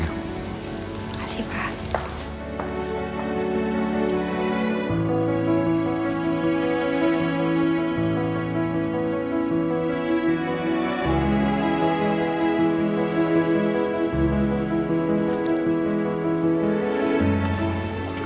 terima kasih pak